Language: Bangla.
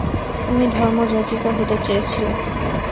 তুমি ধর্মযাজিকা হতে চেয়েছিলে।